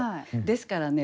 ですからね